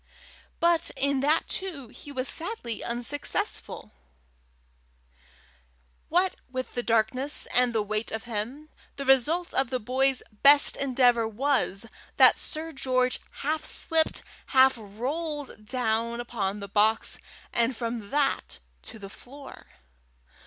But in that too he was sadly unsuccessful: what with the darkness and the weight of him, the result of the boy's best endeavour was, that Sir George half slipped, half rolled down upon the box, and from that to the floor.